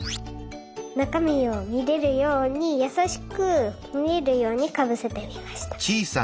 なかみをみれるようにやさしくみえるようにかぶせてみました。